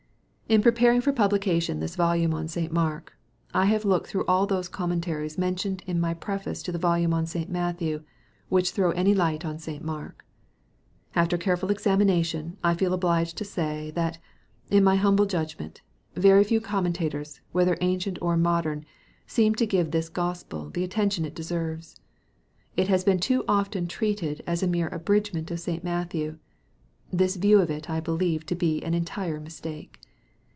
In preparing for publication this volume on St. Mark, I have looked through all those Commentaries mentioned in my preface to the volume on St. Matthew, which* throw any light on St. Mark.* After careful examination, I feel obliged to say, that, in my humble judgment, very few com mentators, whether ancient or modern, seem to give this Gospel the attention it deserves. It has been too often treated as a mere abridgment of St. Matthew. This view of it I believe to be an entire mistake.